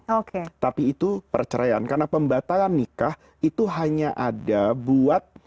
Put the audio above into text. oke tapi itu perceraian karena pembatalan nikah itu hanya ada buat